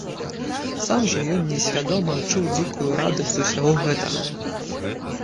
Сам жа ён несвядома адчуў дзікую радасць з усяго гэтага.